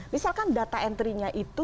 misalkan data entry nya itu